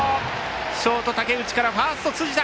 ショート、竹内からファースト、辻田！